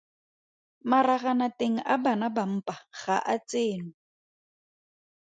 Maraganateng a bana ba mpa ga a tsenwe.